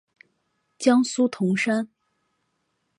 江苏铜山。